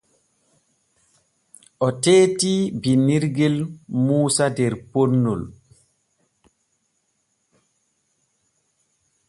O teetii binnirgel Muusa der ponnol.